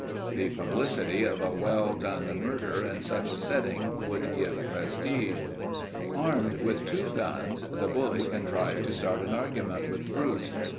The publicity of a well done murder in such a setting would give prestige. Armed with two guns, the bully contrived to start an argument with Bruce.